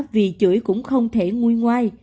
vì chửi cũng không thể nguôi ngoai